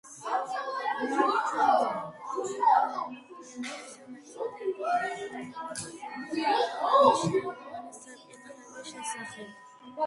ბურჭულაძე ავტორია მონოგრაფიებისა მეცნიერული კომუნიზმის მნიშვნელოვანი საკითხების შესახებ.